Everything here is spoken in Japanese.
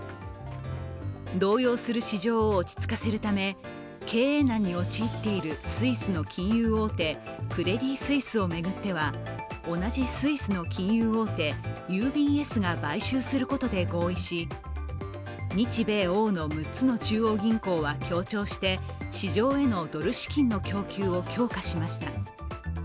動揺する市場を落ち着かせるため経営難に陥っているスイスの金融大手、クレディ・スイスを巡っては同じスイスの金融大手ＵＢＳが買収することで合意し日米欧の６つの中央銀行は協調して市場へのドル資金の供給を強化しました。